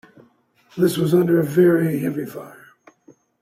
This wasundera very heavyfire.